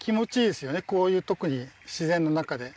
こういう特に自然の中で。